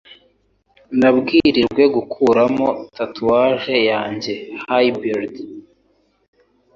Nabwirijwe gukuramo tatouage yanjye. (Hybrid)